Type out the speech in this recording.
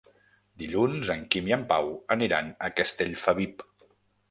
Dilluns en Quim i en Pau aniran a Castellfabib.